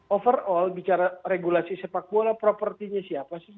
overall bicara regulasi sepak bola propertinya siapa sih